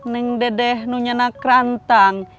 neng dedeh nunya nakrantang